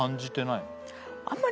あんまり。